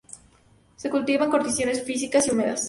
Se cultiva en condiciones frías y húmedas.